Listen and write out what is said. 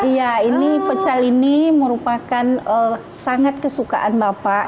iya ini pecal ini merupakan sangat kesukaan bapak